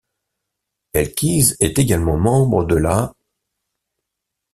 Elkies est également membre de la '.